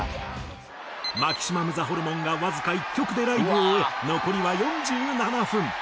マキシマムザホルモンがわずか１曲でライブを終え残りは４７分。